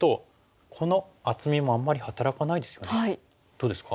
どうですか？